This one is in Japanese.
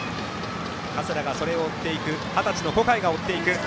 加世田がそれを追っていく二十歳の小海が追っていく。